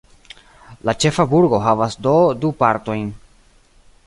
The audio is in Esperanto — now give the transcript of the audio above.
La ĉefa burgo havas do du partojn.